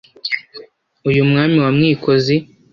Uyu Mwami wa Mwikozi